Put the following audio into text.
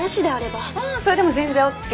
ああそれでも全然ＯＫ。